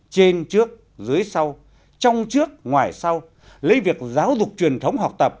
trên trước dưới sau trong trước ngoài sau lấy việc giáo dục truyền thống học tập